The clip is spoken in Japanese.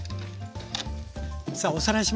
さあおさらいしましょう。